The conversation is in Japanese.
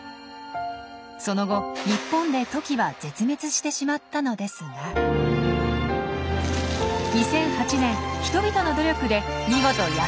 その後日本でトキは絶滅してしまったのですが２００８年人々の努力で見事野生に復帰！